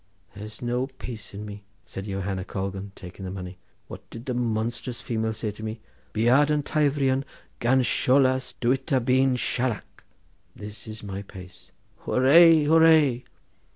"There's no pace for me," said Johanna Colgan, taking the money. "What did the monstrous female say to me? Biadh an taifrionn gan sholas duit a bhean shalach.' This is my pace—hoorah! hoorah!"